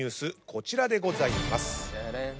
こちらでございます。